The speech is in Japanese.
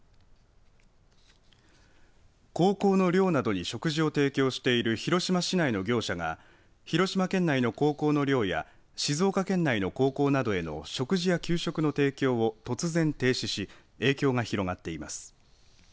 高校の寮などに食事を提供している広島市内の業者が広島県内の高校の寮や静岡県内の高校などへの食事や給食の提供を突然停止し影響が広がっています。